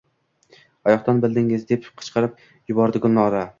— Qayoqdan bildingiz?! — deb qichqirib yubordi Gulnora.